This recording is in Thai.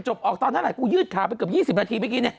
ออกตอนเท่าไหกูยืดขาไปเกือบ๒๐นาทีเมื่อกี้เนี่ย